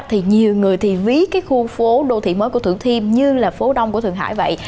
thì nhiều người thì ví cái khu phố đô thị mới của thủ thiêm như là phố đông của thượng hải vậy